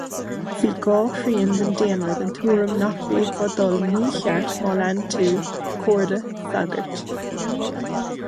Bhí dhá thrian den daonra den tuairim nach bhféadfá dul mícheart má lean tú comhairle sagairt.